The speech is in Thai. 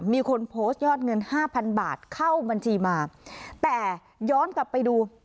มีคนโพสต์ยอดเงินห้าพันบาทเข้าบัญชีมาแต่ย้อนกลับไปดู